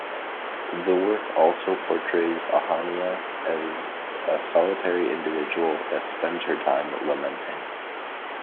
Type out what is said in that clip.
The work also portrays Ahania as a solitary individual that spends her time lamenting.